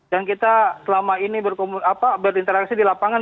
dan kita selama ini berkomunikasi di lapangan